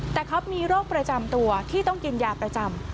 แต่เขามีโรคประจำตัวที่ต้องกินยาประจำ